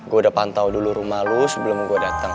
gue udah pantau dulu rumah lo sebelum gue datang